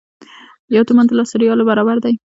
یو تومان د لسو ریالو برابر دی.